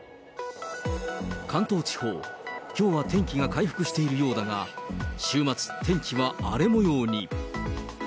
関東地方、きょうは天気が回復しているようだが、週末、天気は荒れもように。